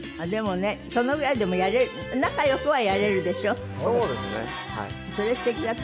でもねそのぐらいでもやれる仲良くはやれるでしょ？